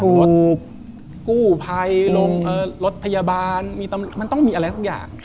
รถกู้ภัยลงรถพยาบาลมันต้องมีอะไรสักอย่าง